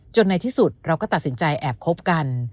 ในที่สุดเราก็ตัดสินใจแอบคบกัน